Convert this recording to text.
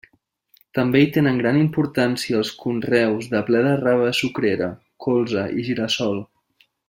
També hi tenen gran importància els conreus de bleda-rave sucrera, colza i gira-sol.